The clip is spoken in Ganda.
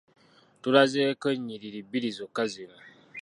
Tulazeeko ennyiriri bbiri zokka zino.